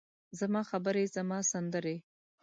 زما خبرې، زما سندرې،